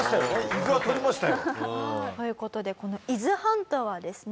伊豆はとりましたよ。という事でこの伊豆半島はですね